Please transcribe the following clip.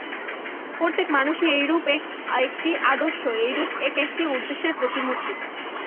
প্রত্যেক মানুষই এইরূপ এক-একটি আদর্শ, এইরূপ এক-একটি উদ্দেশ্যের প্রতিমূর্তি।